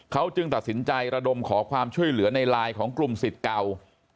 เขาจึงตัดสินใจระดมขอความช่วยเหลือในไลน์ของกลุ่มสิทธิ์เก่า